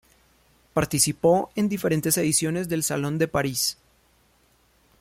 Participó en diferentes ediciones del Salón de París.